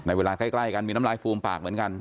เวลาใกล้กันมีน้ำลายฟูมปากเหมือนกัน